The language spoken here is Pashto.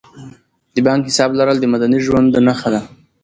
د بانک حساب لرل د مدني ژوند نښه ده.